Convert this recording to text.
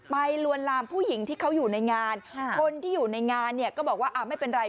ลวนลามผู้หญิงที่เขาอยู่ในงานคนที่อยู่ในงานเนี่ยก็บอกว่าไม่เป็นไร